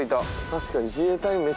確かに。